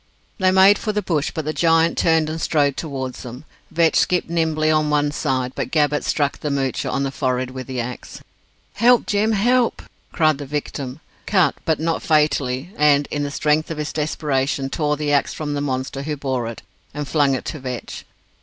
They made for the bush, but the giant turned and strode towards them. Vetch skipped nimbly on one side, but Gabbett struck the Moocher on the forehead with the axe. "Help! Jem, help!" cried the victim, cut, but not fatally, and in the strength of his desperation tore the axe from the monster who bore it, and flung it to Vetch.